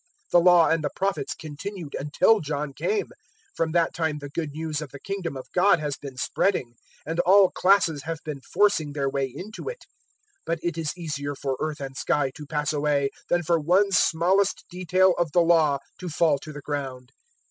016:016 The Law and the Prophets continued until John came: from that time the Good News of the Kingdom of God has been spreading, and all classes have been forcing their way into it. 016:017 But it is easier for earth and sky to pass away than for one smallest detail of the Law to fall to the ground.